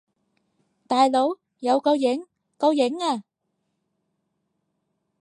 大佬，有個影！個影呀！